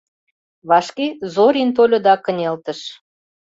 Вашке Зорин тольо да кынелтыш.